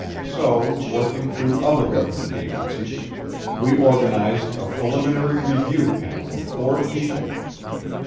So, working through other government agencies, we organized a preliminary review panel of four people.